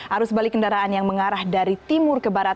arus balik kendaraan yang mengarah dari timur ke barat